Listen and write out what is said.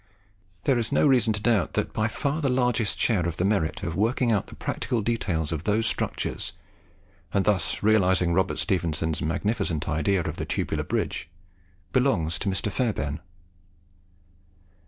There is no reason to doubt that by far the largest share of the merit of working out the practical details of those structures, and thus realizing Robert Stephenson's magnificent idea of the tubular bridge, belongs to Mr. Fairbairn.